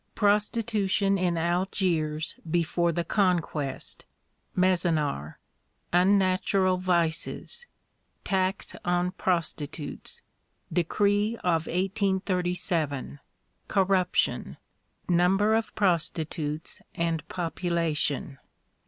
Prostitution in Algiers before the Conquest. Mezonar. Unnatural Vices. Tax on Prostitutes. Decree of 1837. Corruption. Number of Prostitutes and Population.